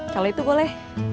kalau itu boleh